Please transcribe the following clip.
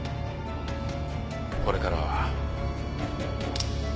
これからは。